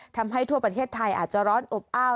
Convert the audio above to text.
ทำให้ทั่วประเทศไทยอาจจะร้อนอบอ้าว